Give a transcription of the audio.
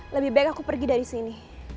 lebih baik aku pergi dari sini